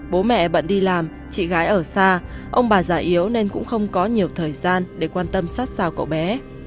bố mẹ bận đi làm chị gái ở xa ông bà già yếu nên cũng không có nhiều thời gian để quan tâm sát sao cậu bé